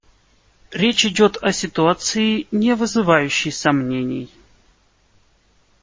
Речь идет о ситуации, не вызывающей сомнений.